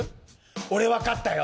俺わかったよ。